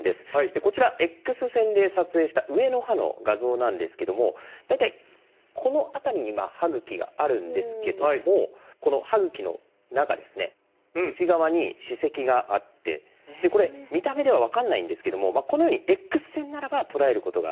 こちらＸ線で撮影した上の歯の画像なんですけども大体この辺りに歯ぐきがあるんですけどもこの歯ぐきの中ですね内側に歯石があってこれ見た目では分かんないんですけどもこのようにＸ線ならば捉えることができるんです。